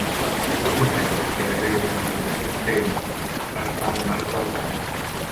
El comerç gairebé durant tot aquest temps va estar en mans dels àrabs.